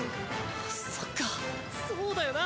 そっかそうだよな！